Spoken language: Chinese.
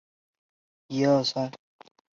规模最大的公司